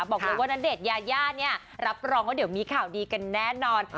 บอกเลยว่าณเดชน์ยายาเนี่ยรับรองว่าเดี๋ยวมีข่าวดีกันแน่นอน